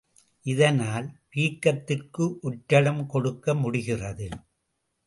இதனால், வீக்கத்திற்கு ஒற்றடம் கொடுக்க முடிகிறது.